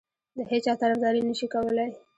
د هیچا طرفداري نه شي کولای.